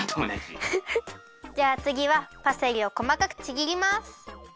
じゃあつぎはパセリをこまかくちぎります。